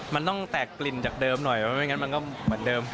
มันต้องแตกกลิ่นจากเดิมหน่อยเพราะไม่งั้นมันก็เหมือนเดิม